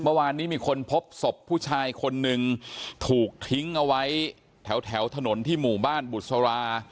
เมื่อวานนี้มีคนพบศพผู้ชายคนหนึ่งถูกทิ้งเอาไว้แถวถนนที่หมู่บ้านบุษรา